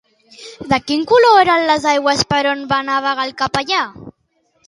De quin color eren les aigües per on va navegar el capellà?